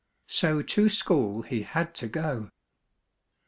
So to school he had to go.